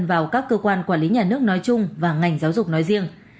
vào các cơ quan quản lý nhà nước nói chung và ngành giáo dục nói riêng